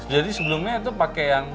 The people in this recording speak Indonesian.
jadi sebelumnya itu pakai yang